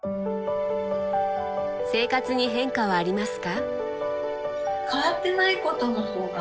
生活に変化はありますか？